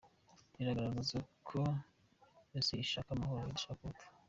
Bigaragaza ko Isi ishaka amahoro, idashaka urupfu.